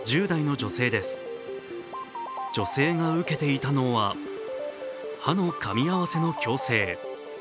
女性が受けていたのは、歯のかみ合わせの矯正。